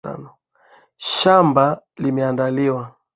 Shamba limeandaliwa.